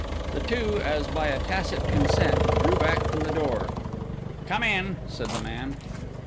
The two, as by a tacit consent, drew back from the door. "Come in," said the man.